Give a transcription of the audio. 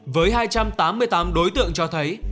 với hai trăm tám mươi tám đối tượng cho thấy